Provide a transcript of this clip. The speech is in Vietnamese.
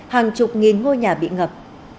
hàng chục nghìn ngôi nhà bị ngập